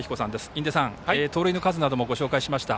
印出さん、盗塁の数などもご紹介しました。